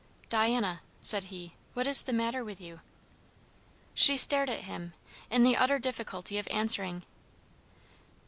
"Diana," said he, "what is the matter with you?" She stared at him, in the utter difficulty of answering.